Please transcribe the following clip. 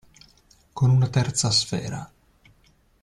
Con una terza sfera.